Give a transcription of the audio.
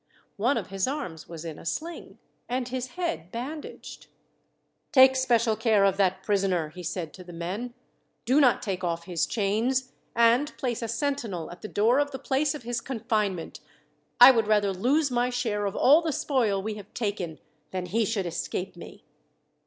One of his arms was in a sling, and his head bandaged. "Take special care of that prisoner," he said to the men. "Do not take off his chains, and place a sentinel at the door of the place of his confinement. I would rather lose my share of all the spoil we have taken, than he should escape me!"